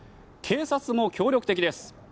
警察も協力的です。